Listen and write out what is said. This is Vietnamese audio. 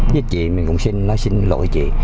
giết chị mình cũng xin nói xin lỗi chị